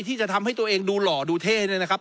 ที่จะทำให้ตัวเองดูหล่อดูเท่เนี่ยนะครับ